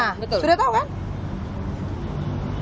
sudah tahu kan